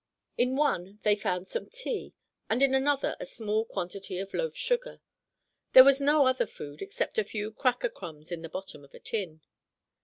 In one they found some tea and in another a small quantity of loaf sugar. There was no other food, except a few cracker crumbs in the bottom of a tin.